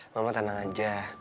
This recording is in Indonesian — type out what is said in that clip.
mama tenang aja